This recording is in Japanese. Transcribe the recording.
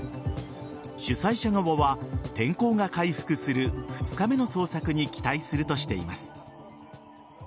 主催者側は天候が回復する２日目の捜索に期待するとしています。